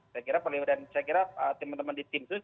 saya kira perlu dan saya kira teman teman di tim sus